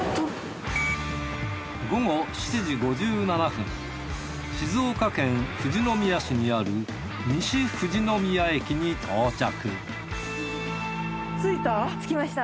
午後７時５７分静岡県富士宮市にある西富士宮駅に到着着きました。